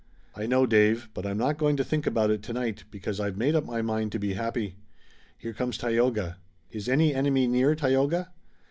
"I know, Dave, but I'm not going to think about it tonight, because I've made up my mind to be happy. Here comes Tayoga. Is any enemy near, Tayoga?"